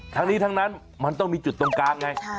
ทั้งนี้ทั้งนั้นมันต้องมีจุดตรงกลางไง